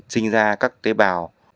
sinh ra các tế bào